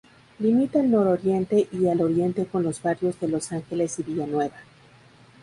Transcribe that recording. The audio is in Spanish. Limita al nororiente y al oriente con los barrios de Los Ángeles y Villanueva.